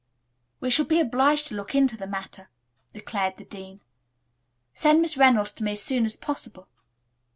"We shall be obliged to look into the matter," declared the dean. "Send Miss Reynolds to me as soon as possible.